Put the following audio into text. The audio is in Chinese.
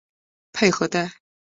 佩和代。